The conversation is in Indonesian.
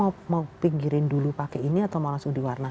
mau pinggirin dulu pakai ini atau mau langsung diwarna